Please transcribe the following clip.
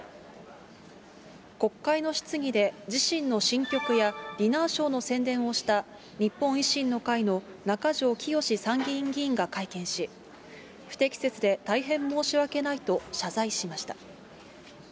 国会の質疑で自身の新曲やディナーショーの宣伝をした日本維新の会の中条きよし参議院議員が会見し、不適切で大変申し訳ないと謝罪しました。